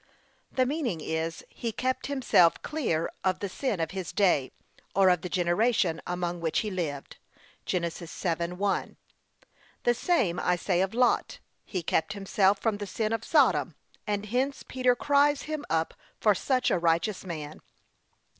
The meaning is, he kept himself clear of the sin of his day, or of the generation among which he lived. (Gen. 7:1) The same I say of Lot, he kept himself from the sin of Sodom; and hence Peter cries him up for such a righteous man.